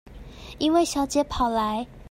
一位小姐跑來